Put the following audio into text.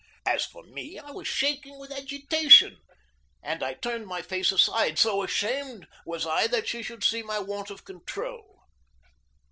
As for me, I was shaking with agitation, and I turned my face aside, so ashamed was I that she should see my want of control.